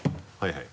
はい。